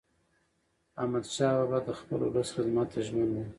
احمدشاه بابا د خپل ولس خدمت ته ژمن و.